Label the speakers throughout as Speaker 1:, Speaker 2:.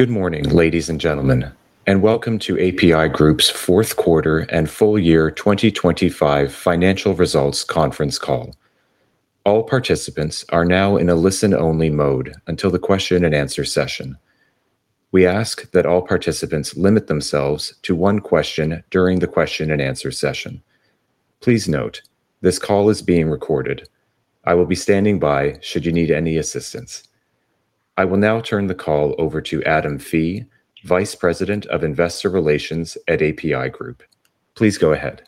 Speaker 1: Good morning, ladies and gentlemen, welcome to APi Group's Q4 and full year 2025 financial results conference call. All participants are now in a listen-only mode until the question and answer session. We ask that all participants limit themselves to one question during the question and answer session. Please note, this call is being recorded. I will be standing by should you need any assistance. I will now turn the call over to Adam Fee, Vice President of Investor Relations at APi Group. Please go ahead.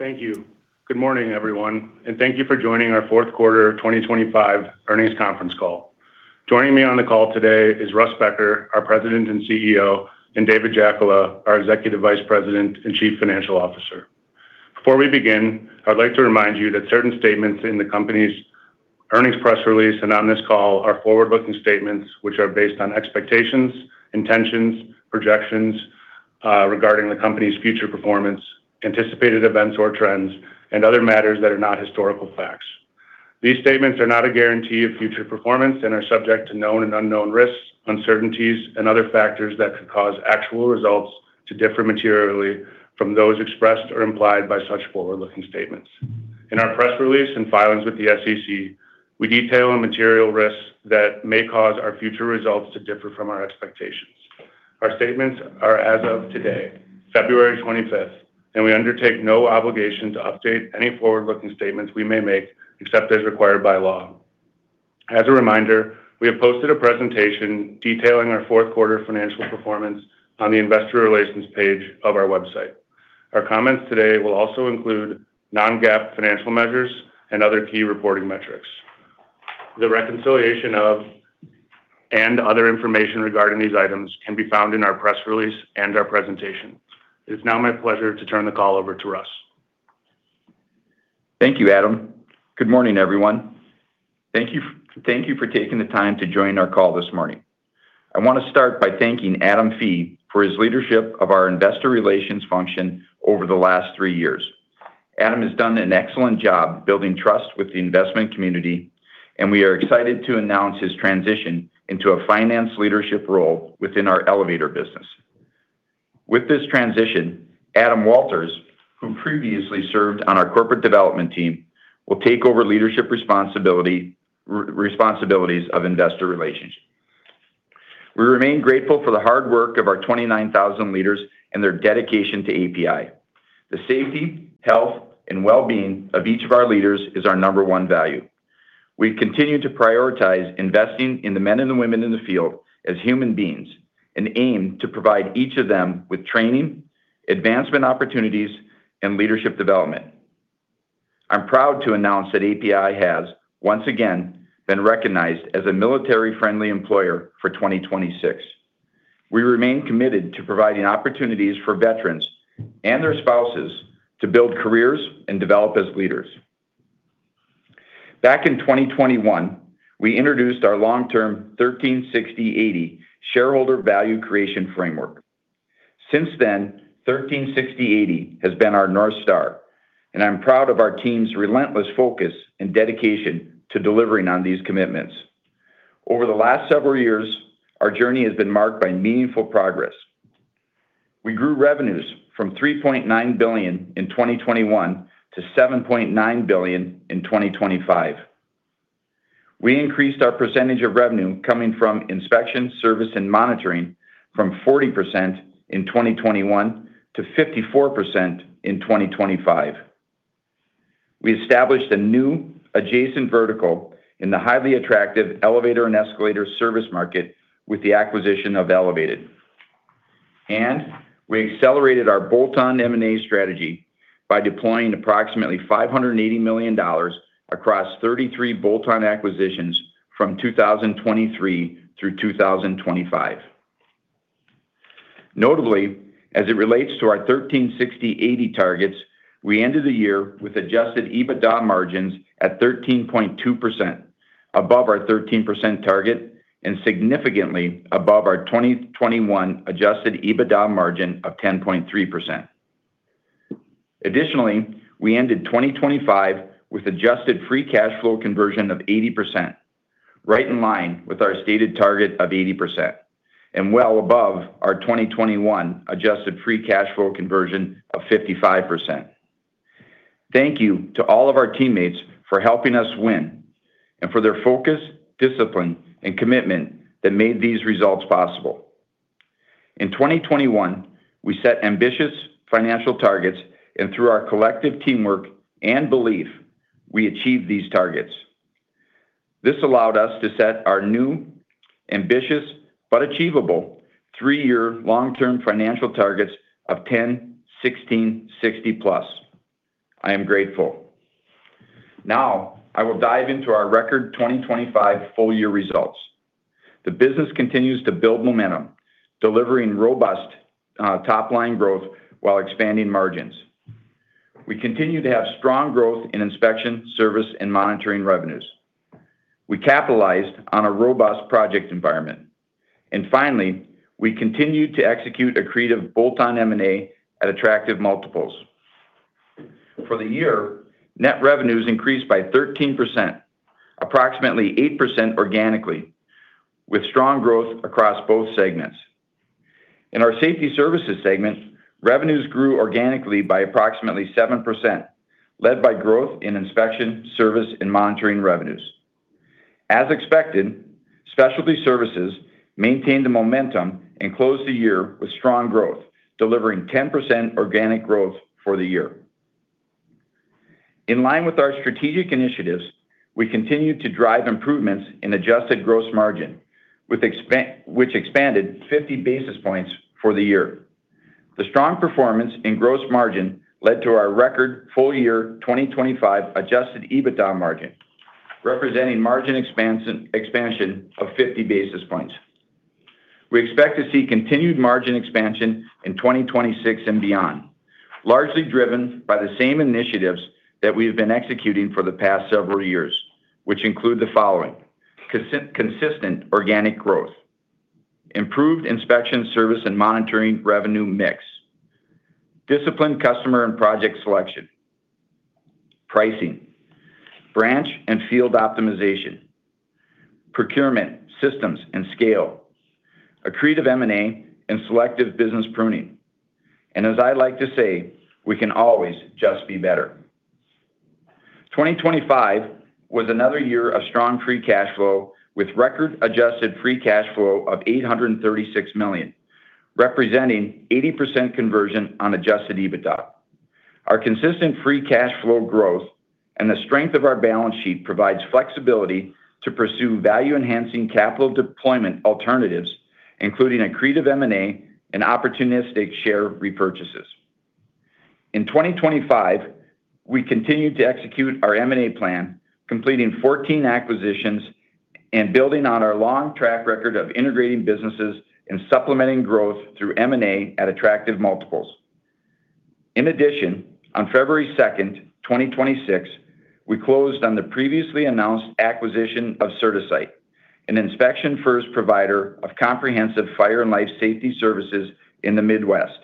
Speaker 2: Thank you. Good morning, everyone, thank you for joining our Q4 2025 earnings conference call. Joining me on the call today is Russ Becker, our President and CEO, and David Jackola, our Executive Vice President and Chief Financial Officer. Before we begin, I'd like to remind you that certain statements in the company's earnings press release and on this call are forward-looking statements, which are based on expectations, intentions, projections regarding the company's future performance, anticipated events or trends, and other matters that are not historical facts. These statements are not a guarantee of future performance and are subject to known and unknown risks, uncertainties, and other factors that could cause actual results to differ materially from those expressed or implied by such forward-looking statements. In our press release and filings with the SEC, we detail the material risks that may cause our future results to differ from our expectations. Our statements are as of today, February 25th, and we undertake no obligation to update any forward-looking statements we may make, except as required by law. As a reminder, we have posted a presentation detailing our Q4 financial performance on the Investor Relations page of our website. Our comments today will also include non-GAAP financial measures and other key reporting metrics. The reconciliation of and other information regarding these items can be found in our press release and our presentation. It is now my pleasure to turn the call over to Russ.
Speaker 3: Thank you, Adam. Good morning, everyone. Thank you for taking the time to join our call this morning. I want to start by thanking Adam Fee for his leadership of our investor relations function over the last three years. Adam has done an excellent job building trust with the investment community, and we are excited to announce his transition into a finance leadership role within our elevator business. With this transition, Adam Walters, who previously served on our corporate development team, will take over leadership responsibilities of investor relations. We remain grateful for the hard work of our 29,000 leaders and their dedication to APi. The safety, health, and well-being of each of our leaders is our number one value. We continue to prioritize investing in the men and the women in the field as human beings and aim to provide each of them with training, advancement opportunities, and leadership development. I'm proud to announce that APi has once again been recognized as a military-friendly employer for 2026. We remain committed to providing opportunities for veterans and their spouses to build careers and develop as leaders. Back in 2021, we introduced our long-term 13/60/80 shareholder value creation framework. Since then, 13/60/80 has been our North Star, and I'm proud of our team's relentless focus and dedication to delivering on these commitments. Over the last several years, our journey has been marked by meaningful progress. We grew revenues from $3.9 billion in 2021-$7.9 billion in 2025. We increased our percentage of revenue coming from inspection, service, and monitoring from 40% in 2021-54% in 2025. We established a new adjacent vertical in the highly attractive elevator and escalator service market with the acquisition of Elevated. We accelerated our bolt-on M&A strategy by deploying approximately $580 million across 33 bolt-on acquisitions from 2023 through 2025. Notably, as it relates to our 13/60/80 targets, we ended the year with adjusted EBITDA margins at 13.2%, above our 13% target and significantly above our 2021 adjusted EBITDA margin of 10.3%. Additionally, we ended 2025 with adjusted free cash flow conversion of 80%, right in line with our stated target of 80%, and well above our 2021 adjusted free cash flow conversion of 55%. Thank you to all of our teammates for helping us win and for their focus, discipline, and commitment that made these results possible. In 2021, we set ambitious financial targets, and through our collective teamwork and belief, we achieved these targets. This allowed us to set our new, ambitious, but achievable three-year long-term financial targets of 10/16/60+. I am grateful. Now, I will dive into our record 2025 full year results. The business continues to build momentum, delivering robust, top-line growth while expanding margins. We continue to have strong growth in inspection, service, and monitoring revenues. We capitalized on a robust project environment. Finally, we continued to execute accretive bolt-on M&A at attractive multiples. For the year, net revenues increased by 13%, approximately 8% organically, with strong growth across both segments. In our Safety Services segment, revenues grew organically by approximately 7%, led by growth in inspection, service, and monitoring revenues. As expected, Specialty Services maintained the momentum and closed the year with strong growth, delivering 10% organic growth for the year. In line with our strategic initiatives, we continued to drive improvements in adjusted gross margin, which expanded 50 basis points for the year. The strong performance in gross margin led to our record full year 2025 adjusted EBITDA margin, representing margin expansion of 50 basis points. We expect to see continued margin expansion in 2026 and beyond, largely driven by the same initiatives that we have been executing for the past several years, which include the following: consistent organic growth, improved inspection service and monitoring revenue mix, disciplined customer and project selection, pricing, branch and field optimization, procurement systems and scale, accretive M&A, and selective business pruning. As I like to say, we can always just be better. 2025 was another year of strong free cash flow, with record adjusted free cash flow of $836 million, representing 80% conversion on adjusted EBITDA. Our consistent free cash flow growth and the strength of our balance sheet provides flexibility to pursue value-enhancing capital deployment alternatives, including accretive M&A and opportunistic share repurchases. In 2025, we continued to execute our M&A plan, completing 14 acquisitions and building on our long track record of integrating businesses and supplementing growth through M&A at attractive multiples. On February 2, 2026, we closed on the previously announced acquisition of CertaSite, an inspection-first provider of comprehensive fire and life safety services in the Midwest.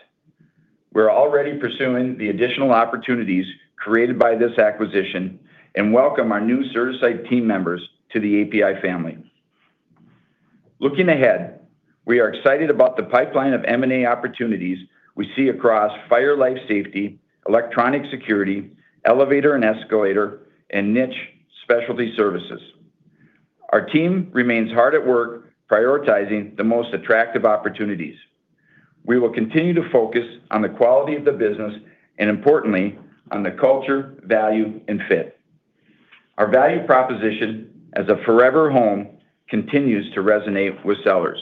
Speaker 3: We're already pursuing the additional opportunities created by this acquisition and welcome our new CertaSite team members to the APi family. Looking ahead, we are excited about the pipeline of M&A opportunities we see across fire-life safety, electronic security, elevator and escalator, and niche specialty services. Our team remains hard at work, prioritizing the most attractive opportunities. We will continue to focus on the quality of the business and importantly, on the culture, value, and fit. Our value proposition as a forever home continues to resonate with sellers.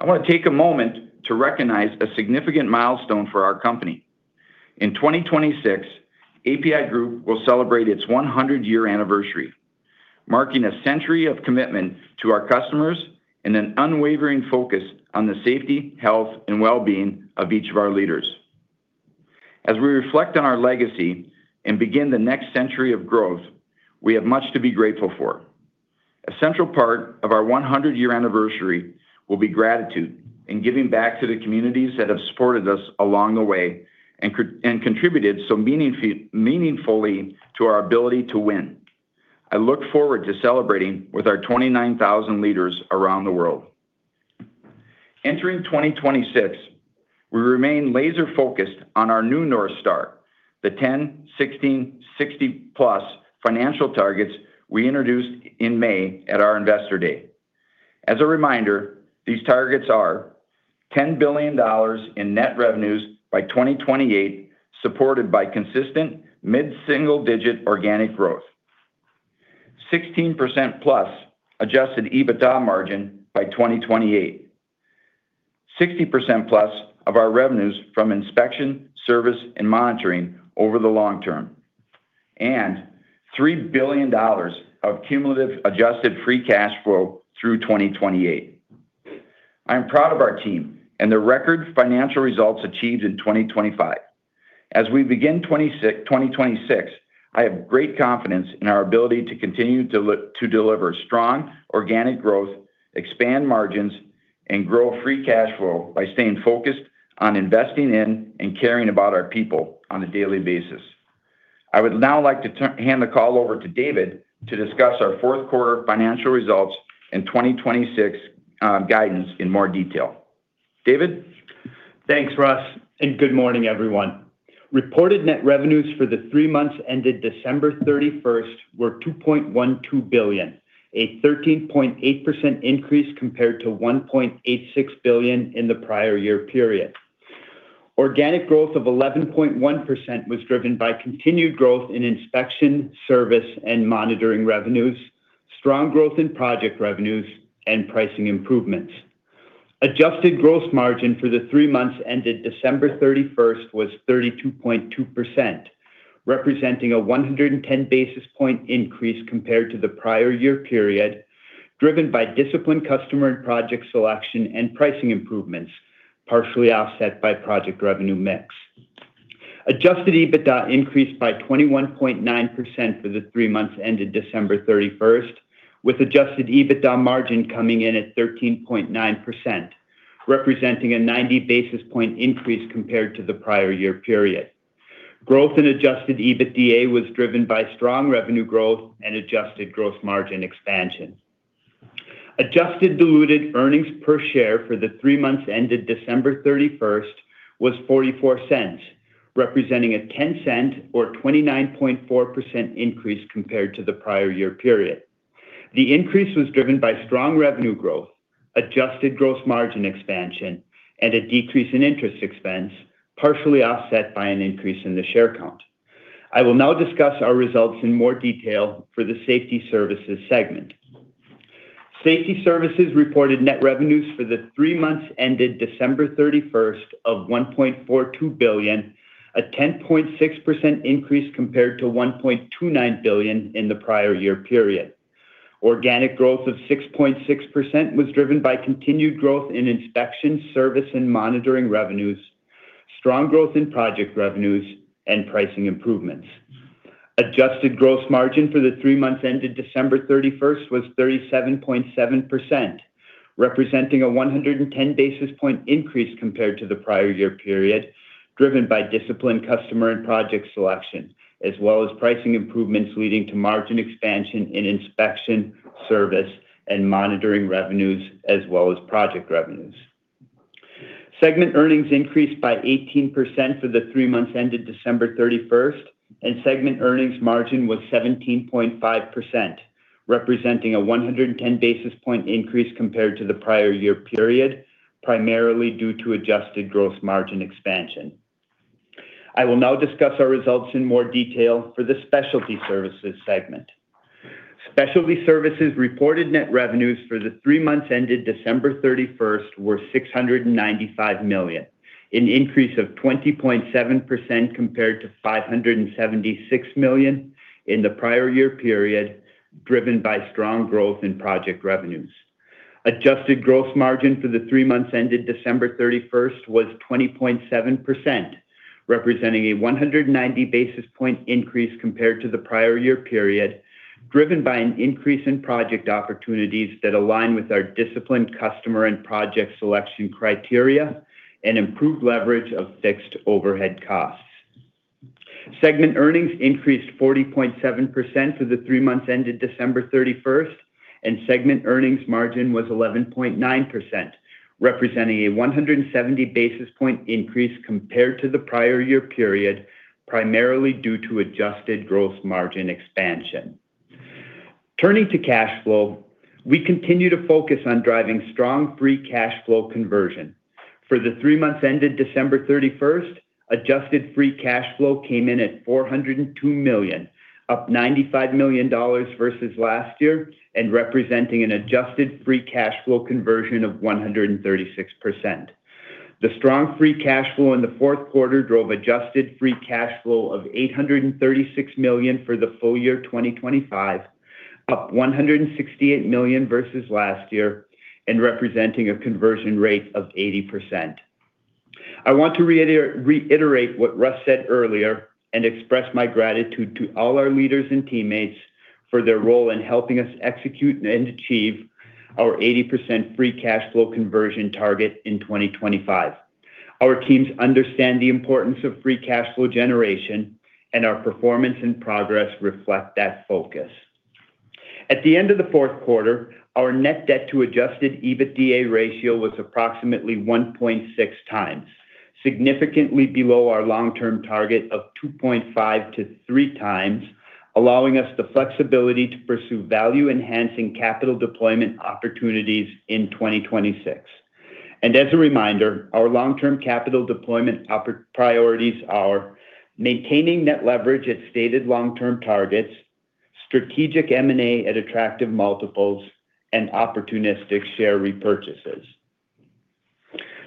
Speaker 3: I want to take a moment to recognize a significant milestone for our company. In 2026, APi Group will celebrate its 100-year anniversary, marking a century of commitment to our customers and an unwavering focus on the safety, health, and well-being of each of our leaders. As we reflect on our legacy and begin the next century of growth, we have much to be grateful for. A central part of our 100-year anniversary will be gratitude and giving back to the communities that have supported us along the way and contributed so meaningfully to our ability to win. I look forward to celebrating with our 29,000 leaders around the world. Entering 2026, we remain laser-focused on our new North Star, the 10/16/60+ financial targets we introduced in May at our Investor Day. As a reminder, these targets are: $10 billion in net revenues by 2028, supported by consistent mid-single-digit organic growth, 16%+ adjusted EBITDA margin by 2028, 60%+ of our revenues from inspection, service, and monitoring over the long term, and $3 billion of cumulative adjusted free cash flow through 2028. I am proud of our team and the record financial results achieved in 2025. As we begin 2026, I have great confidence in our ability to continue to deliver strong organic growth, expand margins, and grow free cash flow by staying focused on investing in and caring about our people on a daily basis. I would now like to hand the call over to David to discuss our Q4 financial results and 2026 guidance in more detail. David?
Speaker 4: Thanks, Russ, good morning, everyone. Reported net revenues for the three months ended December 31st were $2.12 billion, a 13.8% increase compared to $1.86 billion in the prior year period. Organic growth of 11.1% was driven by continued growth in inspection, service, and monitoring revenues, strong growth in project revenues, and pricing improvements. Adjusted gross margin for the three months ended December 31st was 32.2%, representing a 110 basis point increase compared to the prior year period, driven by disciplined customer and project selection and pricing improvements, partially offset by project revenue mix. adjusted EBITDA increased by 21.9% for the three months ended December 31st, with adjusted EBITDA margin coming in at 13.9%, representing a 90 basis point increase compared to the prior year period. Growth in adjusted EBITDA was driven by strong revenue growth and adjusted gross margin expansion. Adjusted diluted earnings per share for the three months ended December 31st was $0.44, representing a $0.10 or 29.4% increase compared to the prior year period. The increase was driven by strong revenue growth, adjusted gross margin expansion, and a decrease in interest expense, partially offset by an increase in the share count. I will now discuss our results in more detail for the Safety Services segment. Safety Services reported net revenues for the three months ended December 31st of $1.42 billion, a 10.6% increase compared to $1.29 billion in the prior year period. Organic growth of 6.6% was driven by continued growth in inspection, service, and monitoring revenues, strong growth in project revenues, and pricing improvements. Adjusted gross margin for the three months ended December 31st was 37.7%, representing a 110 basis point increase compared to the prior year period, driven by disciplined customer and project selection, as well as pricing improvements, leading to margin expansion in inspection, service, and monitoring revenues, as well as project revenues. Segment earnings increased by 18% for the three months ended December 31st, and segment earnings margin was 17.5%, representing a 110 basis point increase compared to the prior year period, primarily due to adjusted gross margin expansion. I will now discuss our results in more detail for the Specialty Services segment. Specialty Services reported net revenues for the three months ended December 31st were $695 million, an increase of 20.7% compared to $576 million in the prior year period, driven by strong growth in project revenues. adjusted gross margin for the three months ended December 31st was 20.7%, representing a 190 basis point increase compared to the prior year period, driven by an increase in project opportunities that align with our disciplined customer and project selection criteria and improved leverage of fixed overhead costs. Segment earnings increased 40.7% for the three months ended December 31st, and segment earnings margin was 11.9%, representing a 170 basis point increase compared to the prior year period, primarily due to adjusted gross margin expansion. Turning to cash flow, we continue to focus on driving strong free cash flow conversion. For the three months ended December 31st, adjusted free cash flow came in at $402 million, up $95 million versus last year and representing an adjusted free cash flow conversion of 136%. The strong free cash flow in the Q4 drove adjusted free cash flow of $836 million for the full year 2025, up $168 million versus last year and representing a conversion rate of 80%. I want to reiterate what Russ said earlier and express my gratitude to all our leaders and teammates for their role in helping us execute and achieve our 80% free cash flow conversion target in 2025. Our teams understand the importance of free cash flow generation, our performance and progress reflect that focus. At the end of the Q4, our net debt to adjusted EBITDA ratio was approximately 1.6x, significantly below our long-term target of 2.5x-3x, allowing us the flexibility to pursue value-enhancing capital deployment opportunities in 2026. As a reminder, our long-term capital deployment priorities are: maintaining net leverage at stated long-term targets, strategic M&A at attractive multiples, and opportunistic share repurchases.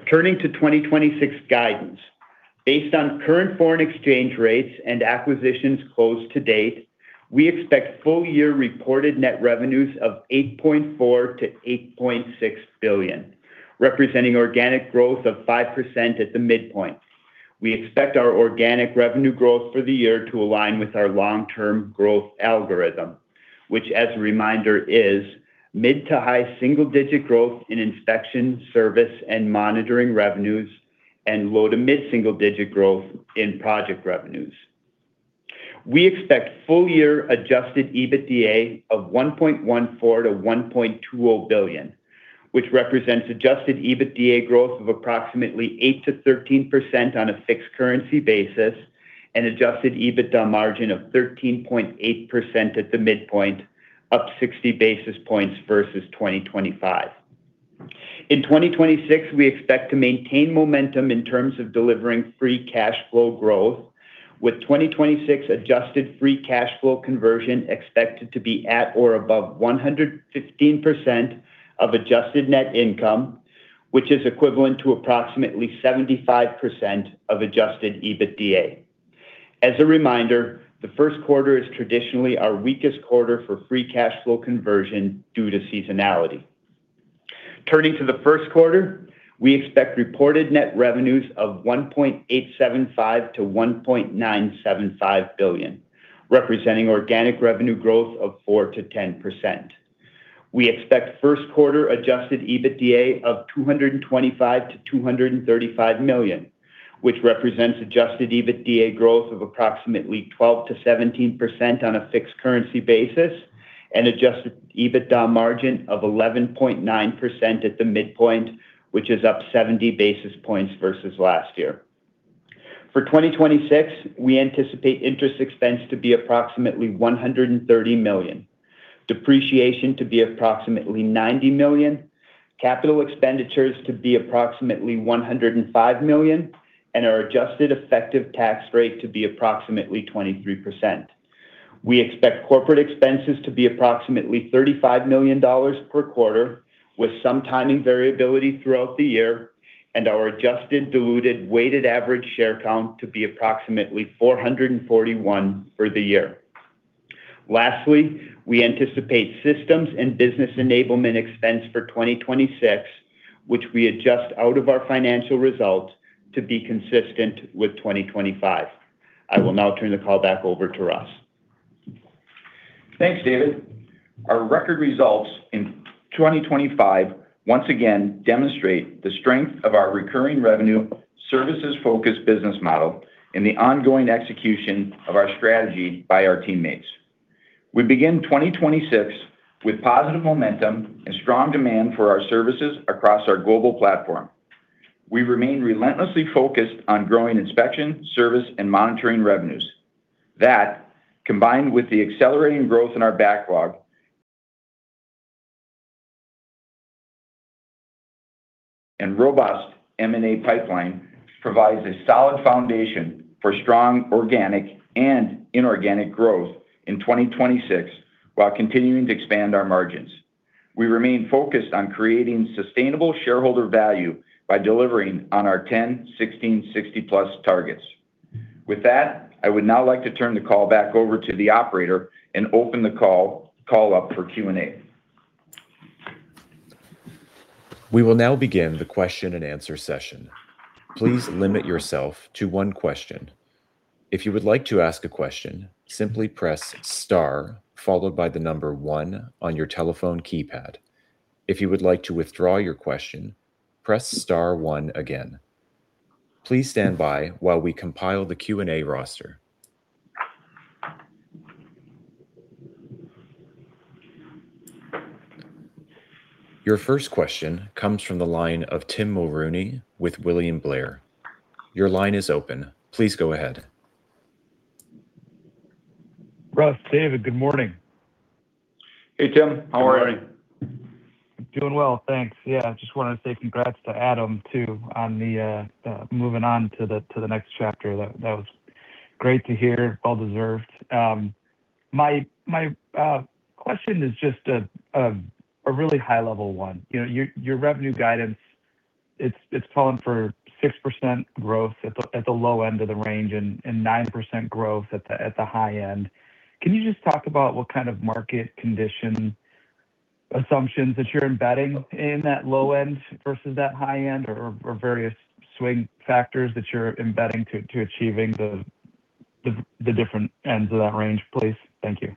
Speaker 4: Turning to 2026 guidance. Based on current foreign exchange rates and acquisitions closed to date, we expect full year reported net revenues of $8.4 billion-$8.6 billion, representing organic growth of 5% at the midpoint. We expect our organic revenue growth for the year to align with our long-term growth algorithm, which, as a reminder, is mid to high single-digit growth in inspection, service, and monitoring revenues, and low to mid single-digit growth in project revenues. We expect full year adjusted EBITDA of $1.14 billion-$1.2 billion, which represents adjusted EBITDA growth of approximately 8%-13% on a fixed currency basis and adjusted EBITDA margin of 13.8% at the midpoint, up 60 basis points versus 2025. In 2026, we expect to maintain momentum in terms of delivering free cash flow growth, with 2026 adjusted free cash flow conversion expected to be at or above 115% of adjusted net income, which is equivalent to approximately 75% of adjusted EBITDA. As a reminder, the Q1 is traditionally our weakest quarter for free cash flow conversion due to seasonality. Turning to the Q1, we expect reported net revenues of $1.875 billion-$1.975 billion, representing organic revenue growth of 4%-10%. We expect Q1 adjusted EBITDA of $225 million-$235 million, which represents adjusted EBITDA growth of approximately 12%-17% on a fixed currency basis and adjusted EBITDA margin of 11.9% at the midpoint, which is up 70 basis points versus last year. For 2026, we anticipate interest expense to be approximately $130 million, depreciation to be approximately $90 million, capital expenditures to be approximately $105 million, and our adjusted effective tax rate to be approximately 23%. We expect corporate expenses to be approximately $35 million per quarter, with some timing variability throughout the year, and our adjusted diluted weighted average share count to be approximately 441 for the year. Lastly, we anticipate systems and business enablement expense for 2026, which we adjust out of our financial results to be consistent with 2025. I will now turn the call back over to Russ.
Speaker 3: Thanks, David. Our record results in 2025 once again demonstrate the strength of our recurring revenue services-focused business model and the ongoing execution of our strategy by our teammates. We begin 2026 with positive momentum and strong demand for our services across our global platform. We remain relentlessly focused on growing inspection, service, and monitoring revenues. That, combined with the accelerating growth in our backlog and robust M&A pipeline, provides a solid foundation for strong organic and inorganic growth in 2026, while continuing to expand our margins. We remain focused on creating sustainable shareholder value by delivering on our 10/16/60+ targets. With that, I would now like to turn the call back over to the operator and open the call up for Q&A.
Speaker 1: We will now begin the question-and-answer session. Please limit yourself to one question. If you would like to ask a question, simply press star, followed by the number one on your telephone keypad. If you would like to withdraw your question, press star one again. Please stand by while we compile the Q&A roster. Your first question comes from the line of Tim Mulrooney with William Blair. Your line is open. Please go ahead.
Speaker 5: Russ, David, good morning.
Speaker 3: Hey, Tim. How are you?
Speaker 4: How are you?
Speaker 5: Doing well, thanks. Yeah, just wanted to say congrats to Adam, too, on moving on to the next chapter. That was great to hear. Well deserved. My question is just a really high-level one. You know, your revenue guidance, it's calling for 6% growth at the low end of the range and 9% growth at the high end. Can you just talk about what kind of market condition assumptions that you're embedding in that low end versus that high end or various swing factors that you're embedding to achieving the different ends of that range, please? Thank you.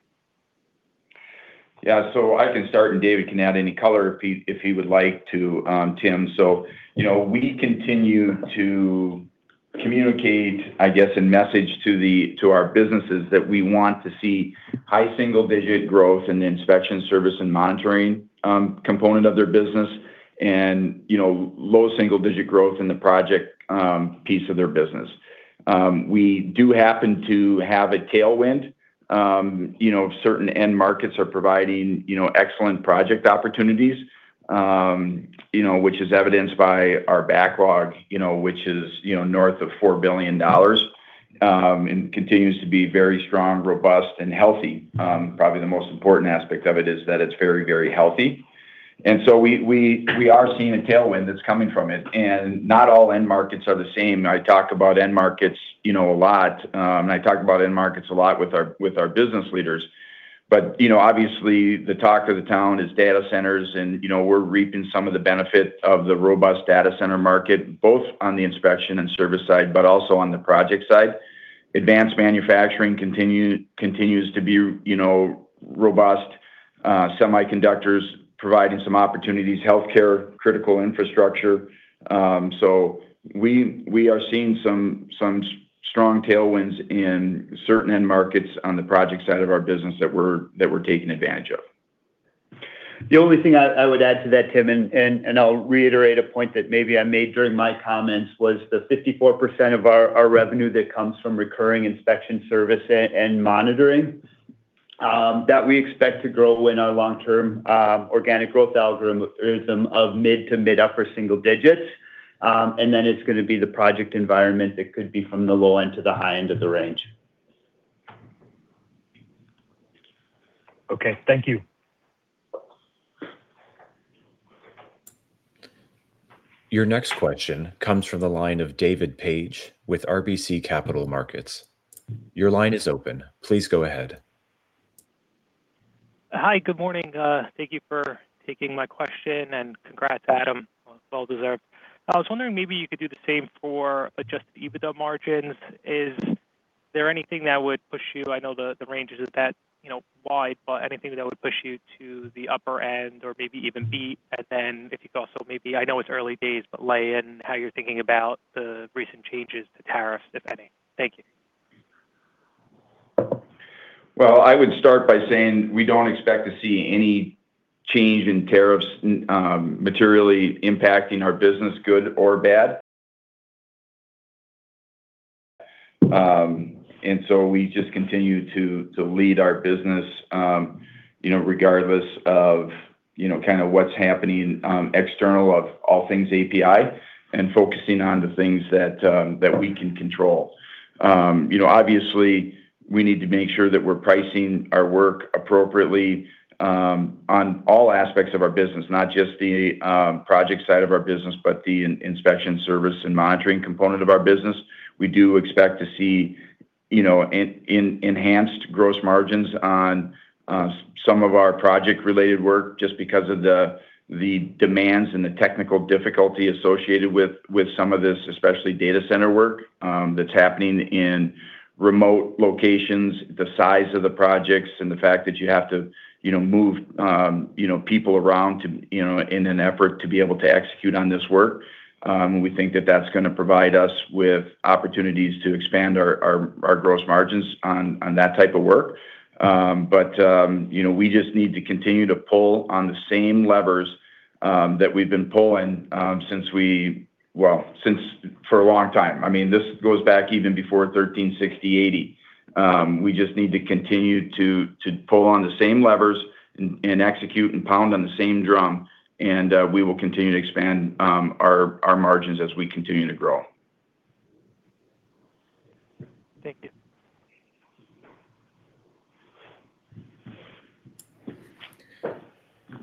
Speaker 3: Yeah. I can start, and David can add any color if he would like to, Tim. You know, we continue to communicate, I guess, in message to our businesses, that we want to see high single-digit growth in the inspection service and monitoring component of their business and, you know, low single-digit growth in the project piece of their business. We do happen to have a tailwind. You know, certain end markets are providing, you know, excellent project opportunities, you know, which is evidenced by our backlog, you know, which is, you know, north of $4 billion and continues to be very strong, robust, and healthy. Probably the most important aspect of it is that it's very, very healthy. We are seeing a tailwind that's coming from it, and not all end markets are the same. I talk about end markets, you know, a lot, and I talk about end markets a lot with our business leaders. You know, obviously, the talk of the town is data centers, and, you know, we're reaping some of the benefit of the robust data center market, both on the inspection and service side, but also on the project side. Advanced manufacturing continues to be, you know, robust. Semiconductors providing some opportunities, healthcare, critical infrastructure. We are seeing some strong tailwinds in certain end markets on the project side of our business that we're taking advantage of.
Speaker 4: The only thing I would add to that, Tim, and I'll reiterate a point that maybe I made during my comments, was the 54% of our revenue that comes from recurring inspection service and monitoring that we expect to grow in our long-term organic growth algorithm, of mid-to-mid-upper single digits. Then it's gonna be the project environment that could be from the low end to the high end of the range.
Speaker 5: Okay. Thank you.
Speaker 1: Your next question comes from the line of David Paige with RBC Capital Markets. Your line is open. Please go ahead.
Speaker 6: Hi, good morning. Thank you for taking my question. Congrats, Adam. Well deserved. I was wondering maybe you could do the same for adjusted EBITDA margins.... Is there anything that would push you? I know the range is that, you know, wide, but anything that would push you to the upper end or maybe even beat at the end, if you thought so? Maybe I know it's early days, but lay in how you're thinking about the recent changes to tariffs, if any. Thank you.
Speaker 3: I would start by saying we don't expect to see any change in tariffs materially impacting our business, good or bad. We just continue to lead our business, you know, regardless of, you know, kind of what's happening external of all things APi and focusing on the things that we can control. You know, obviously, we need to make sure that we're pricing our work appropriately on all aspects of our business, not just the project side of our business, but the inspection service and monitoring component of our business. We do expect to see, you know, enhanced gross margins on some of our project-related work just because of the demands and the technical difficulty associated with some of this, especially data center work, that's happening in remote locations, the size of the projects, and the fact that you have to, you know, move, you know, people around to, you know, in an effort to be able to execute on this work. We think that that's gonna provide us with opportunities to expand our, our gross margins on that type of work. You know, we just need to continue to pull on the same levers that we've been pulling since for a long time. I mean, this goes back even before 13/60/80. we just need to continue to pull on the same levers and execute and pound on the same drum, and we will continue to expand our margins as we continue to grow.
Speaker 6: Thank you.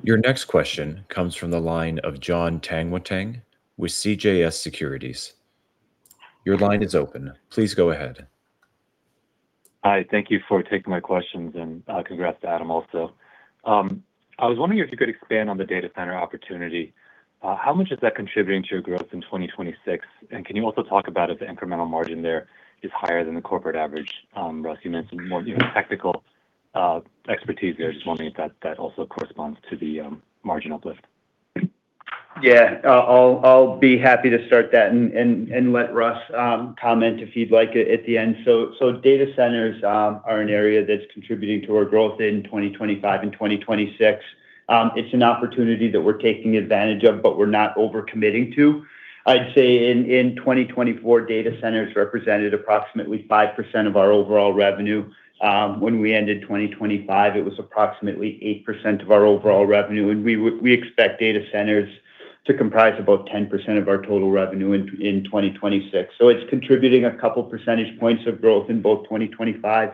Speaker 1: Your next question comes from the line of Jonathan Tanwanteng with CJS Securities. Your line is open. Please go ahead.
Speaker 7: Hi, thank you for taking my questions, and congrats to Adam also. I was wondering if you could expand on the data center opportunity. How much is that contributing to your growth in 2026? Can you also talk about if the incremental margin there is higher than the corporate average? Russ, you mentioned more, you know, technical expertise there. Just wondering if that also corresponds to the margin uplift.
Speaker 4: Yeah, I'll be happy to start that and let Russ comment if he'd like it at the end. Data centers are an area that's contributing to our growth in 2025 and 2026. It's an opportunity that we're taking advantage of, but we're not over-committing to. I'd say in 2024, data centers represented approximately 5% of our overall revenue. When we ended 2025, it was approximately 8% of our overall revenue, and we expect data centers to comprise about 10% of our total revenue in 2026. It's contributing a couple percentage points of growth in both 2025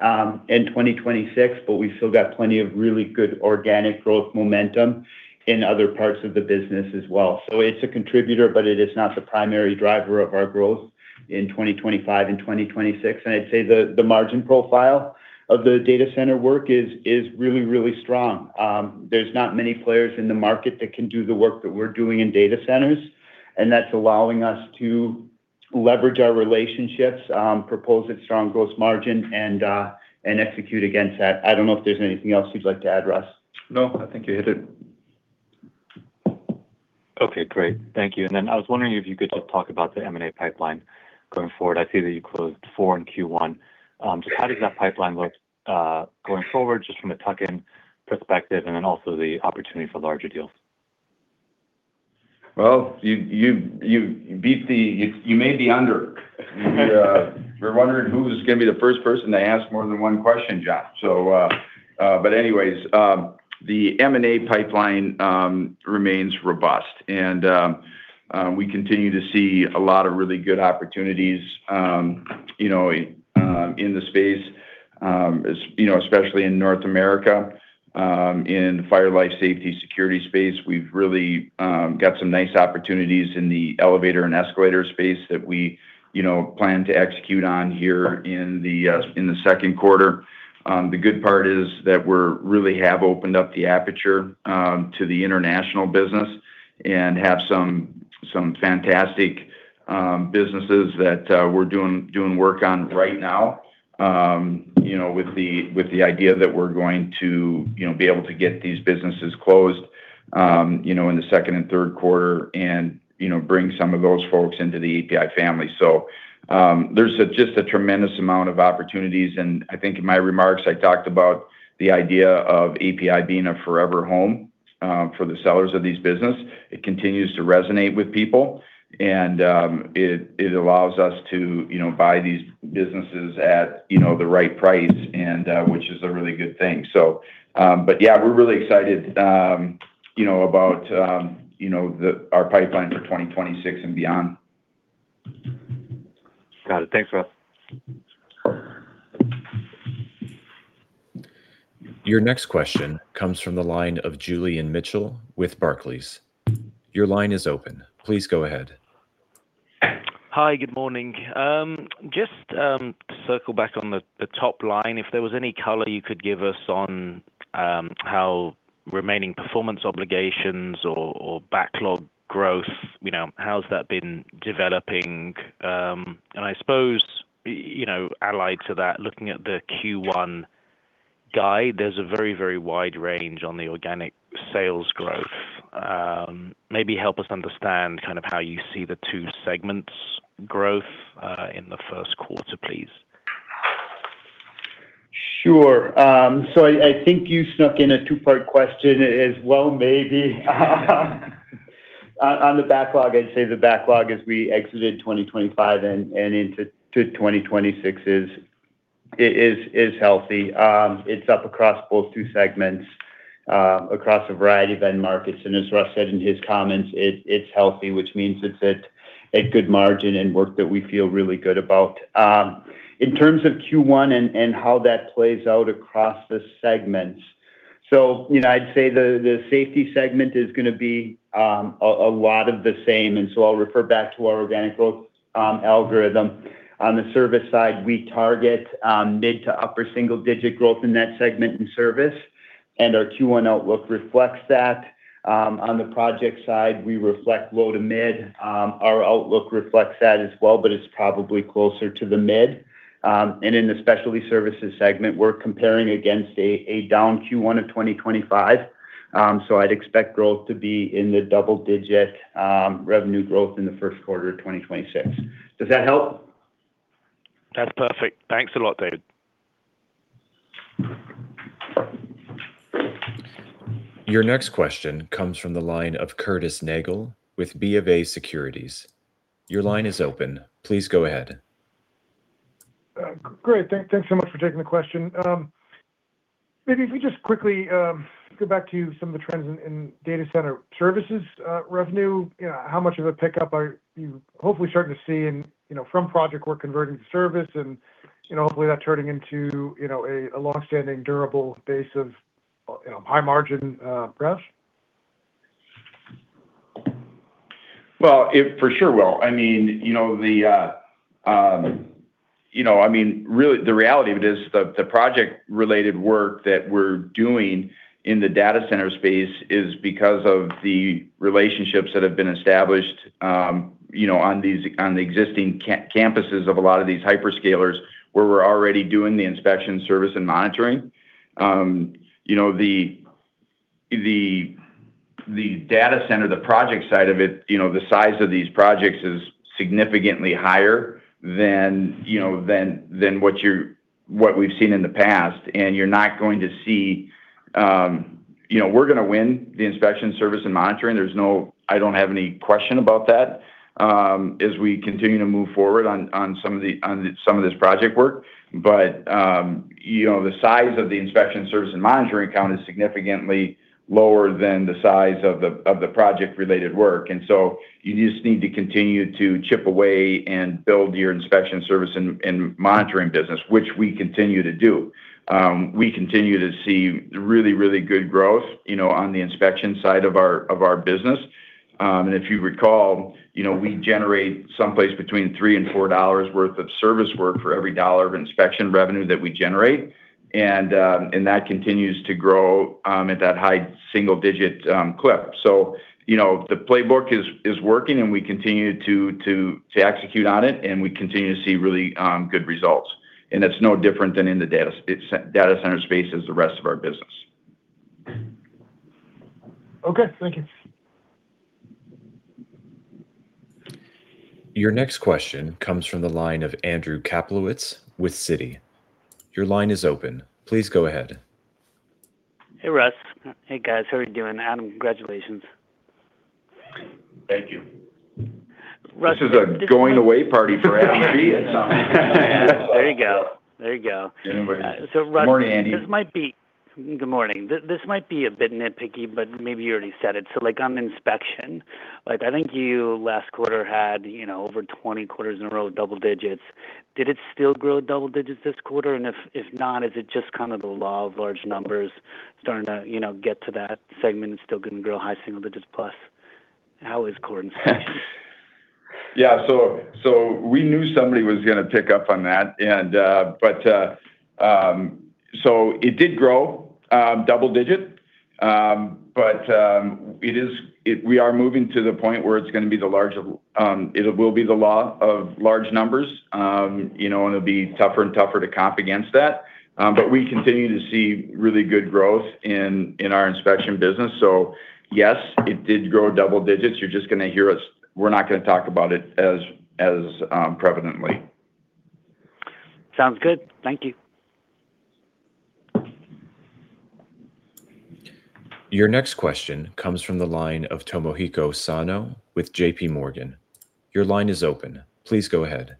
Speaker 4: and 2026, but we've still got plenty of really good organic growth momentum in other parts of the business as well. It's a contributor, but it is not the primary driver of our growth in 2025 and 2026. I'd say the margin profile of the data center work is really, really strong. There's not many players in the market that can do the work that we're doing in data centers, and that's allowing us to leverage our relationships, propose a strong gross margin, and execute against that. I don't know if there's anything else you'd like to add, Russ?
Speaker 3: No, I think you hit it.
Speaker 7: Okay, great. Thank you. I was wondering if you could just talk about the M&A pipeline going forward. I see that you closed four in Q1. Just how does that pipeline look, going forward, just from a tuck-in perspective, and then also the opportunity for larger deals?
Speaker 3: Well, you may be under. We're wondering who's gonna be the first person to ask more than one question, Jonathan. Anyways, the M&A pipeline remains robust, and we continue to see a lot of really good opportunities, you know, in the space, you know, especially in North America. In fire, life, safety, security space, we've really got some nice opportunities in the elevator and escalator space that we, you know, plan to execute on here in the Q2. The good part is that we're really have opened up the aperture to the international business and have some fantastic businesses that we're doing work on right now. You know, with the, with the idea that we're going to, you know, be able to get these businesses closed, you know, in the Q2 and Q3 and, you know, bring some of those folks into the APi family. There's a just a tremendous amount of opportunities, and I think in my remarks, I talked about the idea of APi being a forever home for the sellers of these business. It continues to resonate with people, and it allows us to, you know, buy these businesses at, you know, the right price and which is a really good thing. Yeah, we're really excited, you know, about, you know, the, our pipeline for 2026 and beyond.
Speaker 7: Got it. Thanks, Russ.
Speaker 1: Your next question comes from the line of Julian Mitchell with Barclays. Your line is open. Please go ahead.
Speaker 8: Hi, good morning. Just circle back on the top line, if there was any color you could give us on, how remaining performance obligations or backlog growth, you know, how's that been developing? I suppose, you know, allied to that, looking at the Q1-... Guy, there's a very, very wide range on the organic sales growth. Maybe help us understand kind of how you see the two segments' growth in the Q1, please.
Speaker 4: Sure. I think you snuck in a two-part question as well, maybe. On the backlog, I'd say the backlog as we exited 2025 and into 2026 is healthy. It's up across both two segments, across a variety of end markets, and as Russ said in his comments, it's healthy, which means it's at good margin and work that we feel really good about. In terms of Q1 and how that plays out across the segments, you know, I'd say the safety segment is gonna be a lot of the same. I'll refer back to our organic growth algorithm. On the service side, we target mid to upper single-digit growth in that segment in service, and our Q1 outlook reflects that. On the project side, we reflect low to mid. Our outlook reflects that as well, but it's probably closer to the mid. In the Specialty Services segment, we're comparing against a down Q1 of 2025, so I'd expect growth to be in the double digit revenue growth in the Q1 of 2026. Does that help?
Speaker 8: That's perfect. Thanks a lot, David.
Speaker 1: Your next question comes from the line of Curtis Nagle with BofA Securities. Your line is open. Please go ahead.
Speaker 9: Great. Thanks so much for taking the question. Maybe if we just quickly go back to some of the trends in data center services revenue. You know, how much of a pickup are you hopefully starting to see in, you know, from project work converting to service and, you know, hopefully that turning into, you know, a long-standing, durable base of, you know, high margin, press?
Speaker 3: Well, it for sure will. I mean, you know, the project-related work that we're doing in the data center space is because of the relationships that have been established, you know, on the existing campuses of a lot of these hyperscalers, where we're already doing the inspection service and monitoring. You know, the data center, the project side of it, you know, the size of these projects is significantly higher than what we've seen in the past. You're not going to see. You know, we're gonna win the inspection service and monitoring. There's no, I don't have any question about that, as we continue to move forward on some of this project work. You know, the size of the inspection service and monitoring account is significantly lower than the size of the project-related work. You just need to continue to chip away and build your inspection service and monitoring business, which we continue to do. We continue to see really, really good growth, you know, on the inspection side of our business. And if you recall, you know, we generate someplace between $3 and $4 worth of service work for every dollar of inspection revenue that we generate, and that continues to grow at that high single-digit clip. You know, the playbook is working, and we continue to execute on it, and we continue to see really good results. It's no different than in the data center space as the rest of our business.
Speaker 9: Okay, thank you.
Speaker 1: Your next question comes from the line of Andrew Kaplowitz with Citi. Your line is open. Please go ahead.
Speaker 10: Hey, Russ. Hey, guys. How are you doing? Adam, congratulations.
Speaker 2: Thank you.
Speaker 10: Russ-
Speaker 3: This is a going away party for Andrew.
Speaker 10: There you go.
Speaker 3: Anyway.
Speaker 10: Russ.
Speaker 3: Good morning, Andy.
Speaker 10: Good morning. This might be a bit nitpicky, but maybe you already said it. Like, on inspection, like, I think you last quarter had, you know, over 20 quarters in a row of double digits. Did it still grow double digits this quarter? If not, is it just kind of the law of large numbers starting to, you know, get to that segment and still couldn't grow high single digits plus? How is core inflation?
Speaker 3: We knew somebody was gonna pick up on that. It did grow double-digit, but we are moving to the point where it's gonna be the law of large numbers. You know, it'll be tougher and tougher to comp against that. We continue to see really good growth in our inspection business. Yes, it did grow double digits. You're just gonna hear us, we're not gonna talk about it as prevalently.
Speaker 10: Sounds good. Thank you.
Speaker 1: Your next question comes from the line of Tomohiko Sano with JPMorgan. Your line is open. Please go ahead.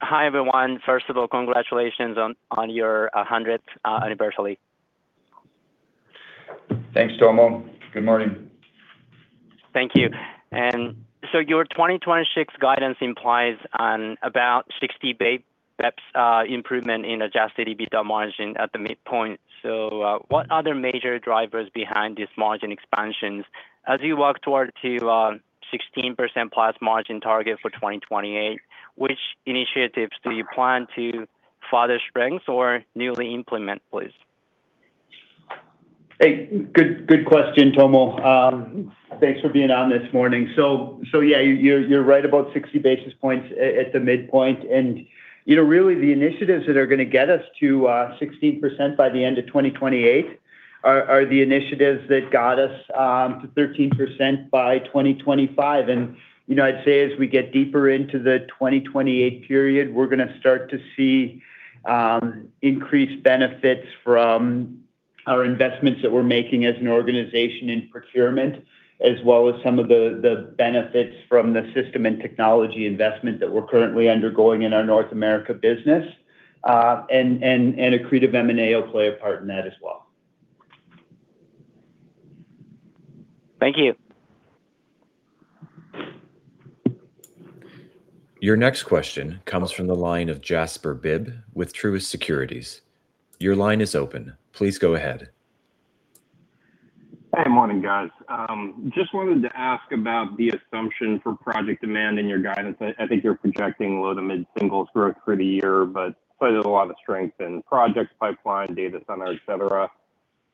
Speaker 11: Hi, everyone. First of all, congratulations on your hundredth anniversary.
Speaker 3: Thanks, Tomohiko. Good morning.
Speaker 11: Thank you. Your 2026 guidance implies an about 60 basis points improvement in adjusted EBITDA margin at the midpoint. What other major drivers behind this margin expansions? As you work toward to, 16%+ margin target for 2028, which initiatives do you plan to further strength or newly implement, please?
Speaker 3: Hey, good question, Tomohiko. Thanks for being on this morning. Yeah, you're right about 60 basis points at the midpoint. You know, really, the initiatives that are going to get us to 16% by the end of 2028 are the initiatives that got us to 13% by 2025. You know, I'd say, as we get deeper into the 2028 period, we're going to start to see increased benefits from our investments that we're making as an organization in procurement, as well as some of the benefits from the system and technology investment that we're currently undergoing in our North America business. Accretive M&A will play a part in that as well.
Speaker 11: Thank you.
Speaker 1: Your next question comes from the line of Jasper Bibb with Truist Securities. Your line is open. Please go ahead.
Speaker 12: Good morning, guys. Just wanted to ask about the assumption for project demand and your guidance. I think you're projecting low to mid singles growth for the year, but cited a lot of strength in project pipeline, data center, et cetera.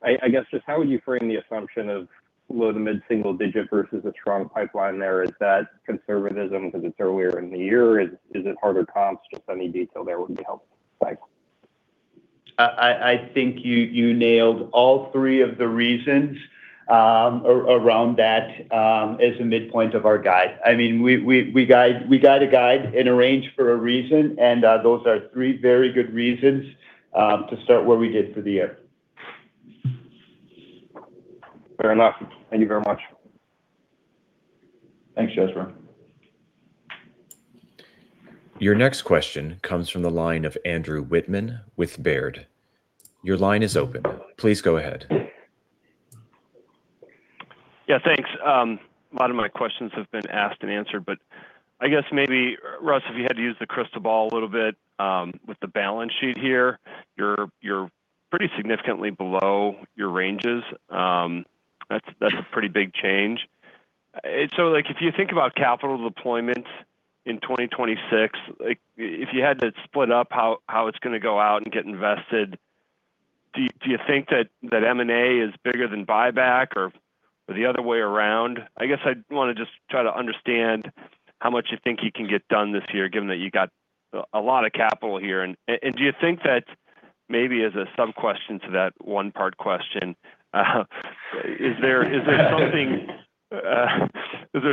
Speaker 12: I guess just how would you frame the assumption of low to mid-single-digit versus a strong pipeline there? Is that conservatism because it's earlier in the year? Is it harder comps? Just any detail there would be helpful. Thanks.
Speaker 3: I think you nailed all three of the reasons around that as a midpoint of our guide. I mean, we guide a guide in a range for a reason. Those are three very good reasons to start where we did for the year.
Speaker 12: Fair enough. Thank you very much.
Speaker 3: Thanks, Jasper.
Speaker 1: Your next question comes from the line of Andrew Wittmann with Baird. Your line is open. Please go ahead.
Speaker 13: Yeah, thanks. A lot of my questions have been asked and answered. I guess maybe, Russ, if you had to use the crystal ball a little bit, with the balance sheet here, you're pretty significantly below your ranges. That's a pretty big change. Like if you think about capital deployment in 2026, like, if you had to split up how it's going to go out and get invested, do you think that M&A is bigger than buyback or the other way around? I guess I'd want to just try to understand how much you think you can get done this year, given that you got a lot of capital here. Do you think that maybe as a sub question to that one part question, is there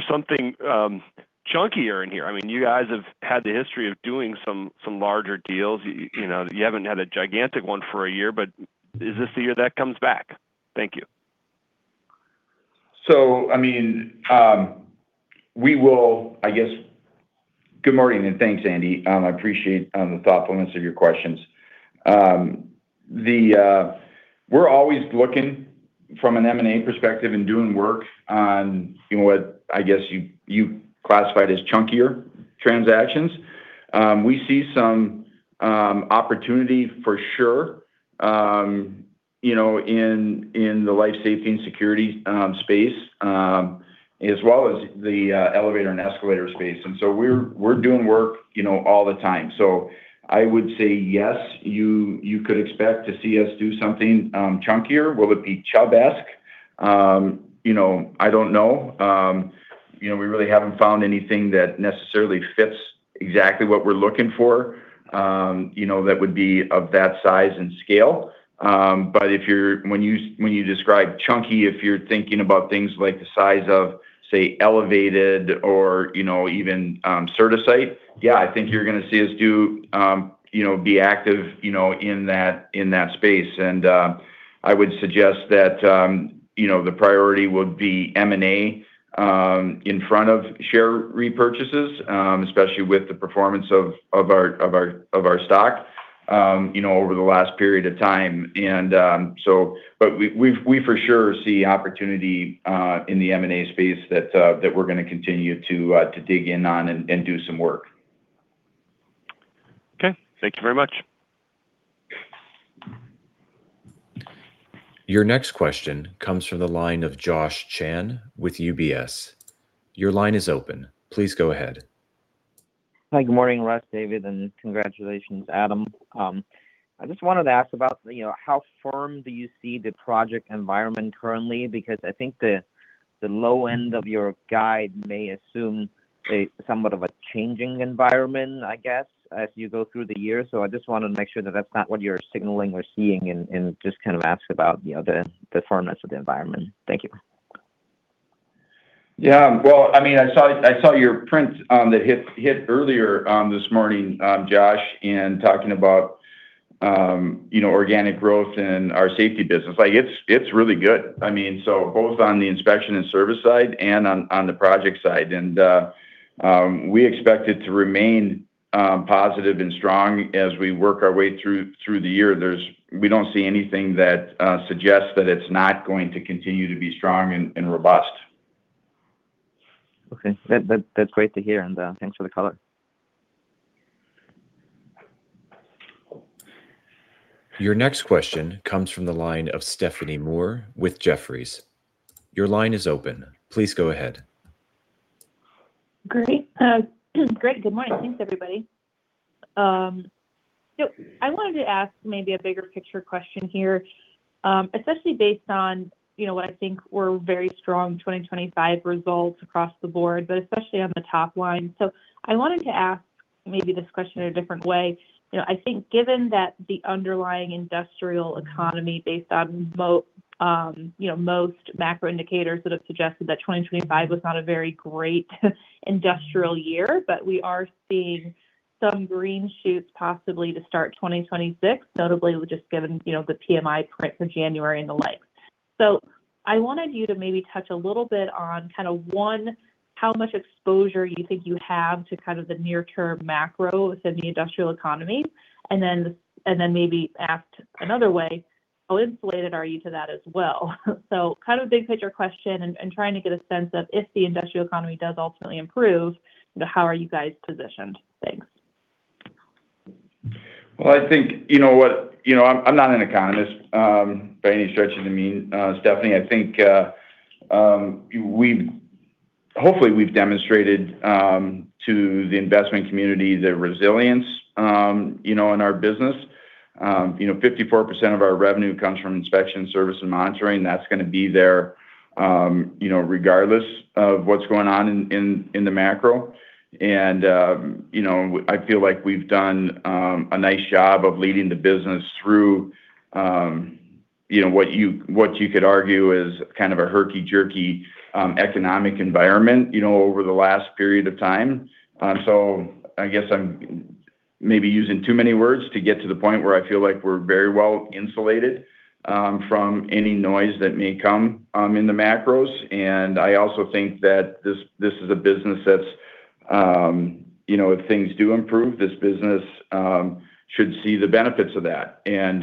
Speaker 13: something chunkier in here? I mean, you guys have had the history of doing some larger deals. You know, you haven't had a gigantic one for a year, but is this the year that comes back? Thank you.
Speaker 3: I mean, we will. Good morning, and thanks, Andrew. I appreciate the thoughtfulness of your questions. We're always looking from an M&A perspective and doing work on, you know, what I guess you classified as chunkier transactions. We see some opportunity for sure, you know, in the life safety and security space, as well as the elevator and escalator space. We're doing work, you know, all the time. I would say, yes, you could expect to see us do something chunkier. Will it be Chubb? You know, I don't know. You know, we really haven't found anything that necessarily fits exactly what we're looking for, you know, that would be of that size and scale. When you, when you describe chunky, if you're thinking about things like the size of, say, Elevated or, you know, even CertaSite, yeah, I think you're going to see us do, you know, be active, you know, in that, in that space. I would suggest that, you know, the priority would be M&A in front of share repurchases, especially with the performance of our stock, you know, over the last period of time. We for sure see opportunity in the M&A space that we're going to continue to dig in on and do some work.
Speaker 13: Okay. Thank you very much.
Speaker 1: Your next question comes from the line of Joshua Chan with UBS. Your line is open. Please go ahead.
Speaker 14: Hi, good morning, Russ, David, and congratulations, Adam. I just wanted to ask about, you know, how firm do you see the project environment currently? I think the low end of your guide may assume a somewhat of a changing environment, I guess, as you go through the year. I just wanted to make sure that that's not what you're signaling or seeing and just kind of ask about, you know, the firmness of the environment. Thank you.
Speaker 3: Yeah, well, I mean, I saw your print, that hit earlier, this morning, Joshua, in talking about, you know, organic growth in our Safety business. Like, it's really good. I mean, so both on the inspection and service side and on the project side. We expect it to remain positive and strong as we work our way through the year. We don't see anything that suggests that it's not going to continue to be strong and robust.
Speaker 14: Okay. That's great to hear, and thanks for the color.
Speaker 1: Your next question comes from the line of Stephanie Moore with Jefferies. Your line is open. Please go ahead.
Speaker 15: Great. Good morning. Thanks, everybody. I wanted to ask maybe a bigger picture question here, especially based on, you know, what I think were very strong 2025 results across the board, but especially on the top line. I wanted to ask maybe this question in a different way. You know, I think given that the underlying industrial economy, based on, you know, most macro indicators that have suggested that 2025 was not a very great industrial year, but we are seeing some green shoots possibly to start 2026, notably with just given, you know, the PMI print for January and the like. I wanted you to maybe touch a little bit on kind of, one, how much exposure you think you have to kind of the near-term macro within the industrial economy? Maybe asked another way, how insulated are you to that as well? Kind of a big picture question and trying to get a sense of, if the industrial economy does ultimately improve, how are you guys positioned? Thanks.
Speaker 3: Well, I think you know what? You know, I'm not an economist, by any stretch of the mean, Stephanie. I think, we've hopefully, we've demonstrated, to the investment community the resilience, you know, in our business. You know, 54% of our revenue comes from inspection service and monitoring, that's gonna be there, you know, regardless of what's going on in the macro. You know, I feel like we've done, a nice job of leading the business through, you know, what you could argue is kind of a herky-jerky, economic environment, you know, over the last period of time. I guess I'm maybe using too many words to get to the point where I feel like we're very well insulated from any noise that may come in the macros. I also think that this is a business that's, you know, if things do improve, this business should see the benefits of that and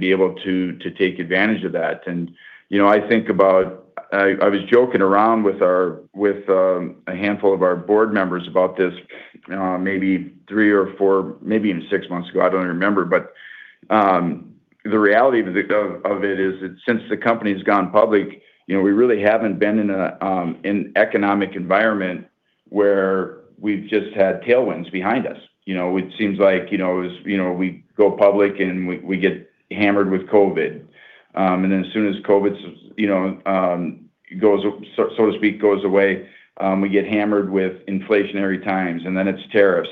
Speaker 3: be able to take advantage of that. You know, I was joking around with our, with a handful of our board members about this, maybe three months or four months, maybe even six months ago, I don't remember. The reality of it is that since the company's gone public, you know, we really haven't been in a an economic environment where we've just had tailwinds behind us. You know, it seems like, you know, it was, you know, we go public and we get hammered with COVID. Then as soon as COVID's, you know, goes, so to speak, goes away, we get hammered with inflationary times, and then it's tariffs.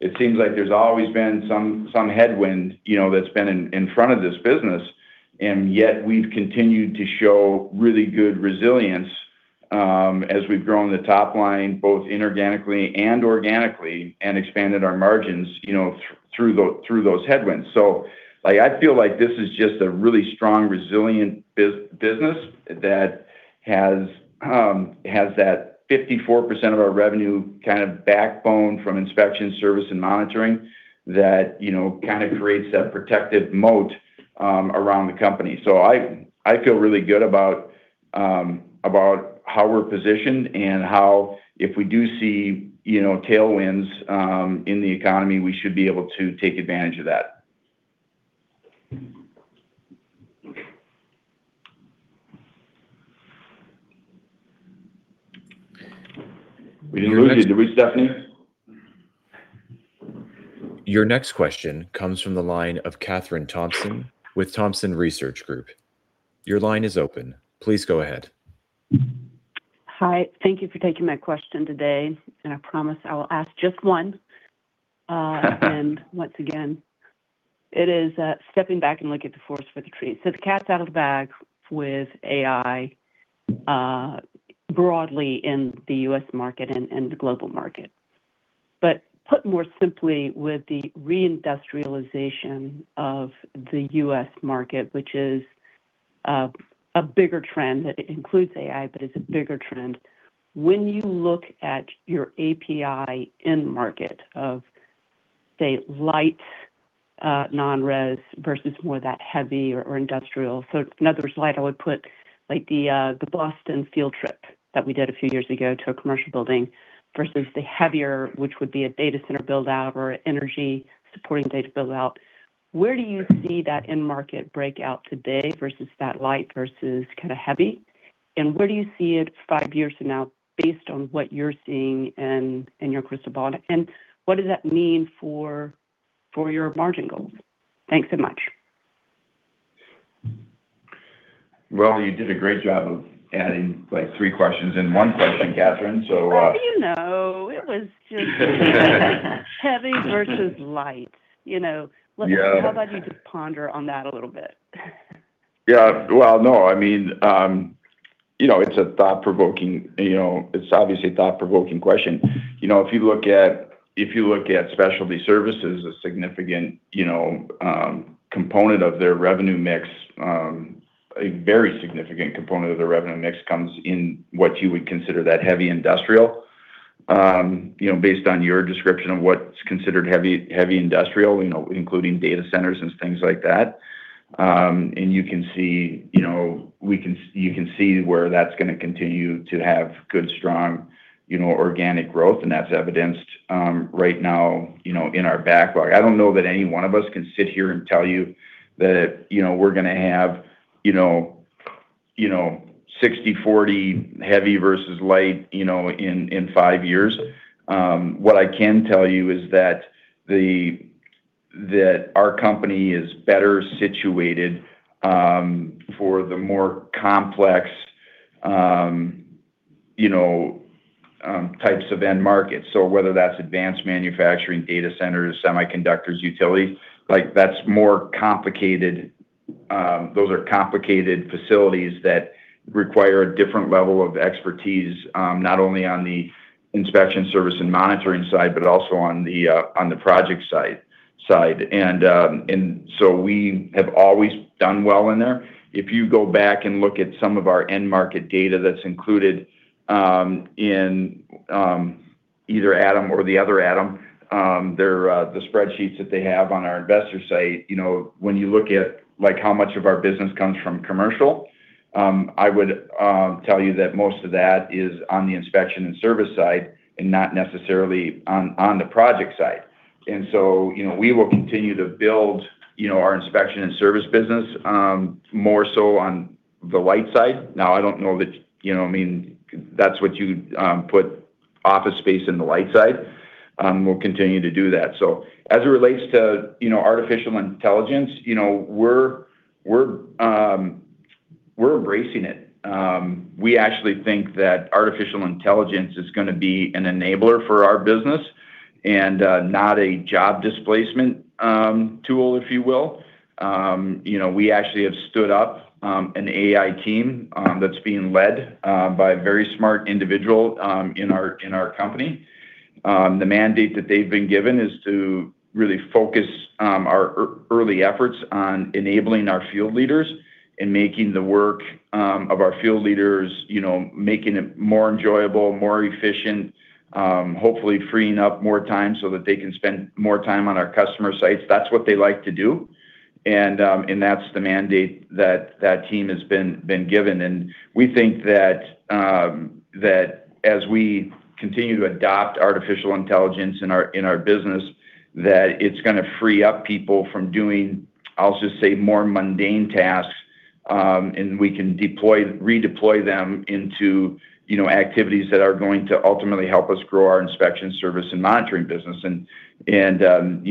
Speaker 3: It seems like there's always been some headwind, you know, that's been in front of this business, and yet we've continued to show really good resilience, as we've grown the top line, both inorganically and organically, and expanded our margins, you know, through those headwinds. Like, I feel like this is just a really strong, resilient business that has that 54% of our revenue kind of backbone from inspection service and monitoring that, you know, kind of creates that protective moat around the company. I feel really good about how we're positioned and how if we do see, you know, tailwinds, in the economy, we should be able to take advantage of that. We didn't lose you, did we, Stephanie?
Speaker 1: Your next question comes from the line of Kathryn Thompson with Thompson Research Group. Your line is open. Please go ahead.
Speaker 16: Hi, thank you for taking my question today. I promise I will ask just one. Once again, it is stepping back and look at the forest for the trees. The cat's out of the bag with AI, broadly in the U.S. market and the global market. Put more simply, with the reindustrialization of the U.S. market, which is a bigger trend that includes AI, but it's a bigger trend. When you look at your APi end market of, say, light, non-res versus more that heavy or industrial. In other words, light, I would put, like the Boston field trip that we did a few years ago to a commercial building versus the heavier, which would be a data center build-out or energy-supporting data build-out. Where do you see that end market breakout today versus that light versus kind of heavy? Where do you see it five years from now, based on what you're seeing and your crystal ball? What does that mean for your margin goals? Thanks so much.
Speaker 3: You did a great job of adding, like, three questions in one question, Catherine.
Speaker 16: Well, you know, it was heavy versus light, you know?
Speaker 3: Yeah.
Speaker 16: How about you just ponder on that a little bit?
Speaker 3: Well, no, I mean, you know, it's a thought-provoking, you know, it's obviously a thought-provoking question. If you look at Specialty Services, a significant, you know, component of their revenue mix, a very significant component of their revenue mix comes in what you would consider that heavy industrial. You know, based on your description of what's considered heavy industrial, you know, including data centers and things like that, you can see, you can see where that's gonna continue to have good, strong, you know, organic growth, and that's evidenced right now, you know, in our backlog. I don't know that any one of us can sit here and tell you that, you know, we're gonna have, you know. you know, 60/40, heavy versus light, you know, in five years. What I can tell you is that our company is better situated for the more complex, you know, types of end markets. Whether that's advanced manufacturing, data centers, semiconductors, utility, like, that's more complicated. Those are complicated facilities that require a different level of expertise, not only on the inspection service and monitoring side, but also on the project side. We have always done well in there. If you go back and look at some of our end market data that's included in either Adam or the other Adam, their the spreadsheets that they have on our investor site, you know, when you look at, like, how much of our business comes from commercial, I would tell you that most of that is on the inspection and service side and not necessarily on the project side. You know, we will continue to build, you know, our inspection and service business, more so on the light side. Now, I don't know that, you know what I mean, that's what you put office space in the light side, we'll continue to do that. As it relates to, you know, artificial intelligence, you know, we're embracing it. We actually think that artificial intelligence is gonna be an enabler for our business and not a job displacement tool, if you will. You know, we actually have stood up an AI team that's being led by a very smart individual in our company. The mandate that they've been given is to really focus our early efforts on enabling our field leaders and making the work of our field leaders, you know, making it more enjoyable, more efficient, hopefully freeing up more time so that they can spend more time on our customer sites. That's what they like to do, and that's the mandate that that team has been given. We think that as we continue to adopt artificial intelligence in our business, that it's gonna free up people from doing, I'll just say, more mundane tasks, and we can redeploy them into, you know, activities that are going to ultimately help us grow our inspection service and monitoring business. You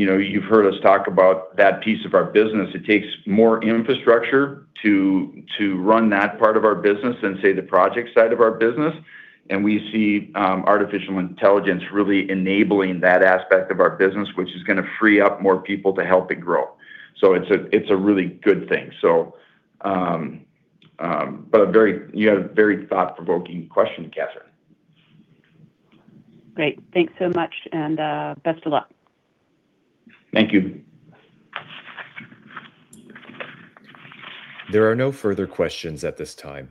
Speaker 3: know, you've heard us talk about that piece of our business. It takes more infrastructure to run that part of our business than, say, the project side of our business. We see, artificial intelligence really enabling that aspect of our business, which is gonna free up more people to help it grow. It's a, it's a really good thing. You had a very thought-provoking question, Kathryn.
Speaker 16: Great! Thanks so much, and, best of luck.
Speaker 3: Thank you.
Speaker 1: There are no further questions at this time.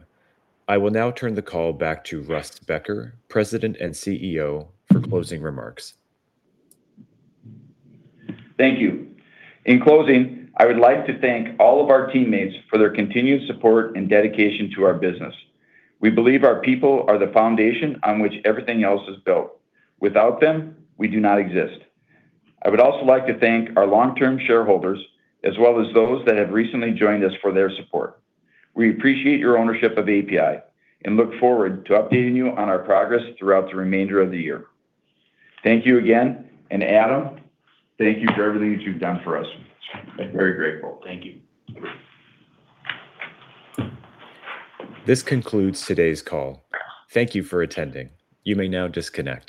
Speaker 1: I will now turn the call back to Russ Becker, President and CEO, for closing remarks.
Speaker 3: Thank you. In closing, I would like to thank all of our teammates for their continued support and dedication to our business. We believe our people are the foundation on which everything else is built. Without them, we do not exist. I would also like to thank our long-term shareholders, as well as those that have recently joined us, for their support. We appreciate your ownership of APi and look forward to updating you on our progress throughout the remainder of the year. Thank you again, and Adam, thank you for everything that you've done for us. I'm very grateful.
Speaker 2: Thank you.
Speaker 1: This concludes today's call. Thank you for attending. You may now disconnect.